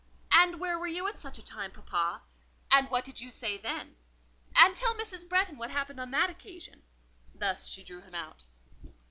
"And where were you at such a time, papa? And what did you say then? And tell Mrs. Bretton what happened on that occasion." Thus she drew him out.